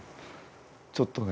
ちょっとね